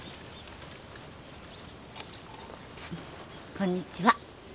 こんにちは。